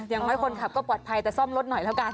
อย่างน้อยคนขับก็ปลอดภัยแต่ซ่อมรถหน่อยแล้วกัน